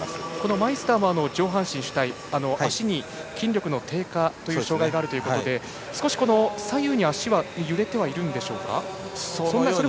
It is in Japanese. マイスターは上半身主体、足に筋力の低下という障がいがあるということで少し、左右に足は揺れているんでしょうか。